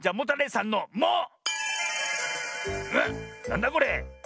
なんだこれ？